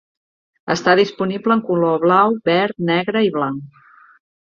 Està disponible en color blau, verd, negre i blanc.